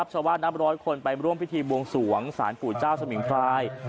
นับร้อยคนไปร่วมพิธีบวงสวงสารปู่เจ้าสมิงพราย